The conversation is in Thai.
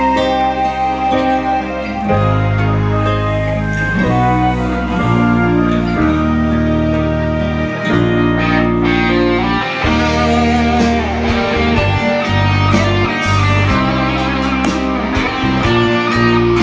สวัสดีค่ะ